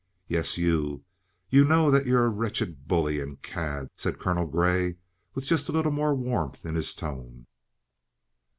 "Yes, you. You know that you're a wretched bully and cad," said Colonel Grey, with just a little more warmth in his tone.